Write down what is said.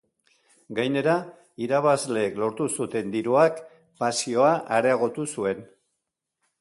Gainera irabazleek lortu zuten diruak pasioa areagotu zuen.